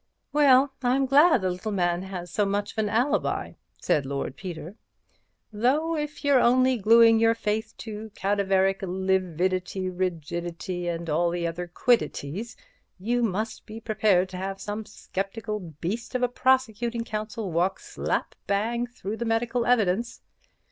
"Well, I'm glad the little man has so much of an alibi," said Lord Peter, "though if you're only gluing your faith to cadaveric lividity, rigidity, and all the other quiddities, you must be prepared to have some sceptical beast of a prosecuting counsel walk slap bang through the medical evidence.